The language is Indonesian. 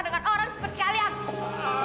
tidak punya effect now